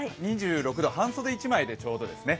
２６度、半袖一枚でちょうどですね。